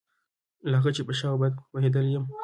له هغه چې په ښه او بد پوهېدلی یم.